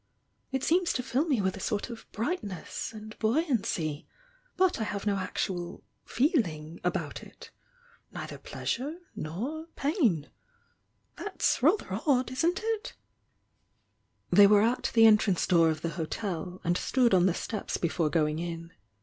It seems to fill me with a sort of brightness and buoyancy. But I have no actual 'feeling' about it — ^neither pleasure nor pain. That's rather odd, isn't it?" ti 254 THE YOUNG DIANA They were at the entrance door of the hotel, and stood on the steps before going in.